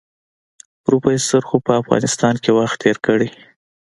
پروفيسر خو په افغانستان کې وخت تېر کړی.